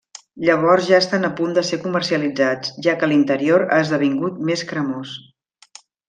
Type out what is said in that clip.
Llavors ja estan a punt de ser comercialitzats, ja que l'interior ha esdevingut més cremós.